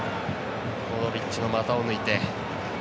モドリッチの股を抜いて。